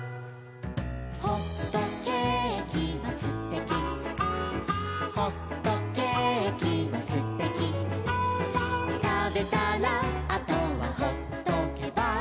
「ほっとけーきはすてき」「ほっとけーきはすてき」「たべたらあとはほっとけば」